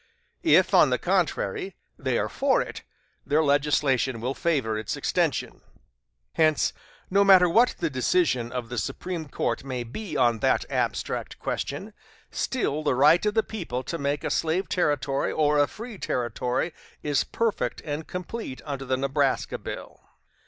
If, on the contrary, they are for it, their legislation will favor its extension. Hence, no matter what the decision of the Supreme Court may be on that abstract question, still the right of the people to make a slave Territory or a free Territory is perfect and complete under the Nebraska Bill."